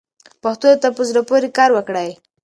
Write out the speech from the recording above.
پښتو ته په زړه پورې کار وکړئ.